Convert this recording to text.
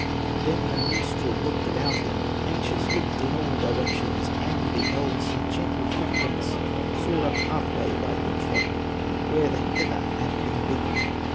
Then the minstrel looked about him, Anxious, looked in all directions, And beheld some gentle foot prints, Saw a pathway lightly trodden Where the heather had been beaten.